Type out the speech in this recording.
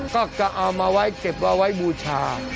ก็เอามาไว้เก็บเอาไว้บูชา